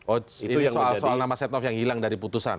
oh itu soal nama setia novanto yang hilang dari putusan